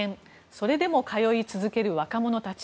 それでも通い続ける若者たち。